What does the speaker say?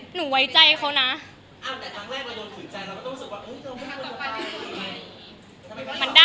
หนูไว้ใจเขานะ